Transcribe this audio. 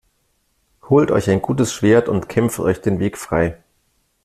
Holt euch ein gutes Schwert und kämpft euch den Weg frei!